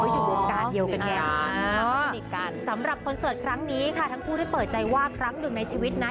อยู่วงการเดียวกันไงสนิทกันสำหรับคอนเสิร์ตครั้งนี้ค่ะทั้งคู่ได้เปิดใจว่าครั้งหนึ่งในชีวิตนะ